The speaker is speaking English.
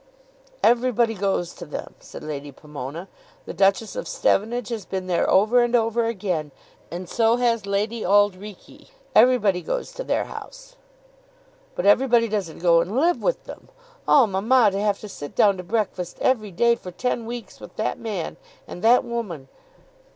"Everybody goes to them," said Lady Pomona. "The Duchess of Stevenage has been there over and over again, and so has Lady Auld Reekie. Everybody goes to their house." "But everybody doesn't go and live with them. Oh, mamma, to have to sit down to breakfast every day for ten weeks with that man and that woman!"